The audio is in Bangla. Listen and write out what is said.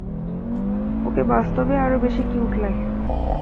ওকে বাস্তবে আরও বেশি কিউট লাগে।